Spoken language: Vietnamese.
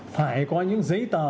phải có những giấy tờ